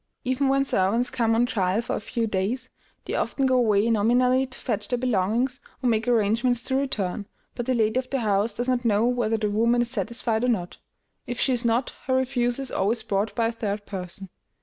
Even when servants come on trial for a few days, they often go away nominally to fetch their belongings, or make arrangements to return, but the lady of the house does not know whether the woman is satisfied or not. If she is not, her refusal is always brought by a third person.